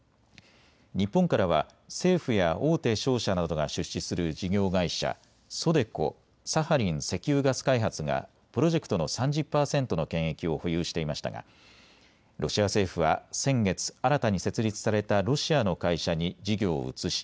日本からは政府や大手商社などが出資する事業会社、ＳＯＤＥＣＯ・サハリン石油ガス開発がプロジェクトの３０％の権益を保有していましたがロシア政府は先月、新たに設立されたロシアの会社に事業を移し